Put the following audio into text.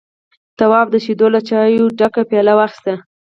تواب د شيدو له چايو ډکه پياله واخيسته.